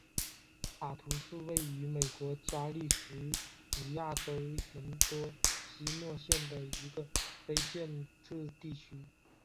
塔图是位于美国加利福尼亚州门多西诺县的一个非建制地区。